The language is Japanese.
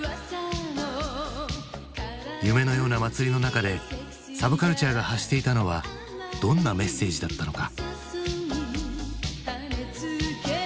夢のような祭りの中でサブカルチャーが発していたのはどんなメッセージだったのか。